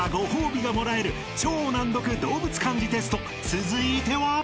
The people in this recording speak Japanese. ［続いては］